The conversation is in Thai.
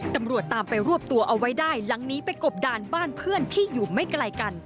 ตำรวจตามไปรวบตัวเอาไว้ได้หลังนี้ไปกบดานบ้านเพื่อนที่อยู่ไม่ไกลกัน